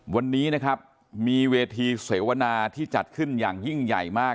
วันนี้นะครับมีเวทีเสวนาที่จัดขึ้นอย่างยิ่งใหญ่มาก